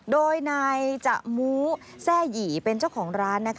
โดยนายจะมูแซ่หยี่เป็นเจ้าของร้าน